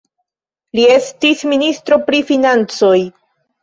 Li estis ministro pri Financoj.